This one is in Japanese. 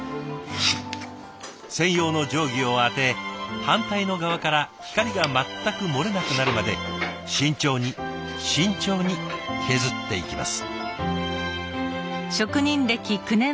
専用の定規を当て反対の側から光が全く漏れなくなるまで慎重に慎重に削っていきます。